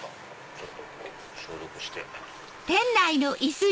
ちょっと消毒して。